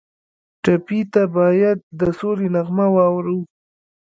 ټپي ته باید د سولې نغمه واورو.